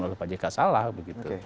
kalau pak jk salah begitu